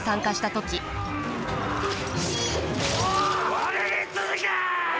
我に続け！